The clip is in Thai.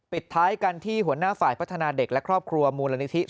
ปิดท้ายกันที่หัวหน้าฝ่ายพัฒนาเด็กและครอบครัวมูลนิธิ